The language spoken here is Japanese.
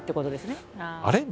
「あれ？